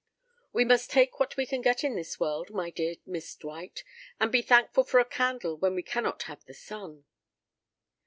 We must take what we can get in this world, my dear Miss Dwight, and be thankful for a candle when we cannot have the sun."